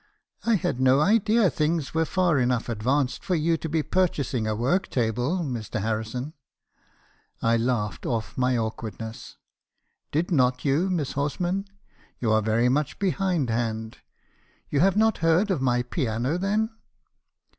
" 'I had no idea things were far enough advanced for you to be purchasing a work table, Mr. Harrison.' " I laughed off my awkwardness. "'Did not you, Miss Horsman? You are very much behind hand. You have not heard of my piano , then